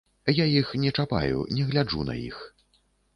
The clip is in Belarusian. Я іх не чапаю, не гляджу на іх.